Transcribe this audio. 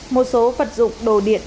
một số vật dụng đồ điện